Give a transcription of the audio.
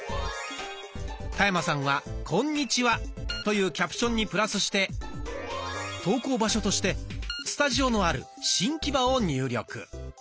田山さんは「こんにちは」というキャプションにプラスして投稿場所としてスタジオのある新木場を入力。